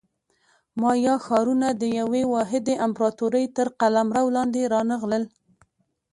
مایا ښارونه د یوې واحدې امپراتورۍ تر قلمرو لاندې رانغلل